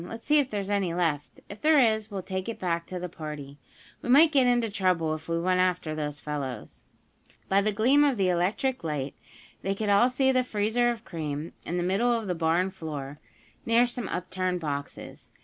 Let's see if there's any left. If there is we'll take it back to the party. We might get into trouble if we went after those fellows." By the gleam of the electric light they could all see the freezer of cream in the middle of the barn floor, near some upturned boxes.